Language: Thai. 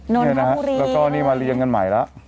นุรกีแล้วอันนี้มาเรียงกันใหม่แล้ว